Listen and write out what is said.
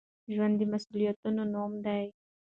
ژوند د مسؤليتونو نوم دی.